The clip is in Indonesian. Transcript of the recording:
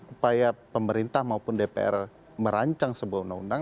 upaya pemerintah maupun dpr merancang sebuah undang undang